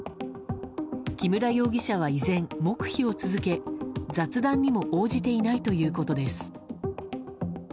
木村容疑者は依然、黙秘を続け雑談にも応じていないということです。